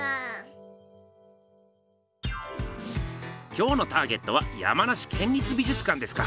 今日のターゲットは山梨県立美術館ですか。